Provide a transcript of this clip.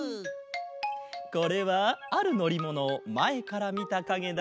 これはあるのりものをまえからみたかげだ。